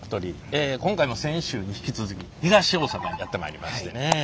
今回も先週に引き続き東大阪にやって参りましてね。